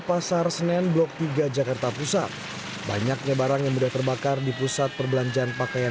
pasar senen blok tiga jakarta pusat banyaknya barang yang sudah terbakar di pusat perbelanjaan pakaian